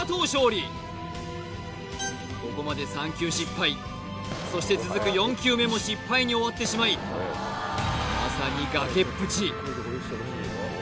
ここまで３球失敗そして続く４球目も失敗に終わってしまいまさに崖っぷち